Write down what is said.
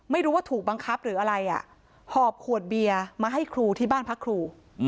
ไม่รู้ว่าถูกบังคับหรืออะไรหอบขวดเบียร์มาให้ครูที่บ้านพระครู